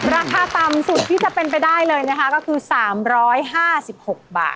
ราคาต่ำสุดที่จะเป็นไปได้เลยนะคะก็คือ๓๕๖บาท